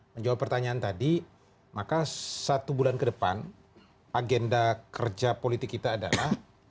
menjawab pertanyaan tadi maka satu bulan ke depan agenda kerja politik kita adalah